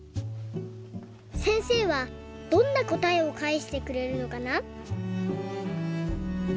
せんせいはどんなこたえをかえしてくれるのかな？